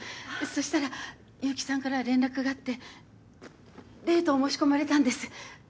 そしたら結城さんから連絡があってデートを申し込まれたんです。